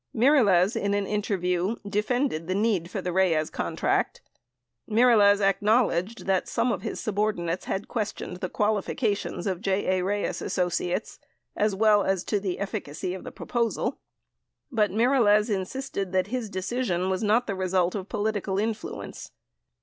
Mirelez, in an interview, defended the need for the Reyes contract. Mirelez acknowledged that some of his subordinates had questioned the qualifications of J. A. Reyes Associates as well as to the efficacy of its proposal, but Mirelez insisted that his decision was not the result of political influence.